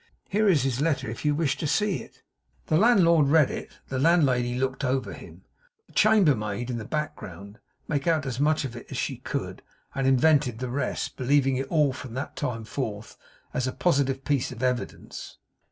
Here is his letter, if you wish to see it.' The landlord read it; the landlady looked over him. The chambermaid, in the background, made out as much of it as she could, and invented the rest; believing it all from that time forth as a positive piece of evidence.